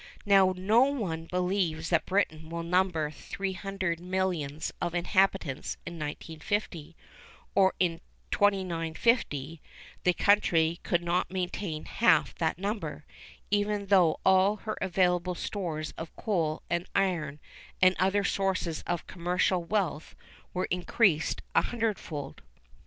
Now no one believes that Britain will number 300 millions of inhabitants in 1950, or in 2950; the country could not maintain half that number, even though all her available stores of coal and iron, and other sources of commercial wealth were increased a hundredfold.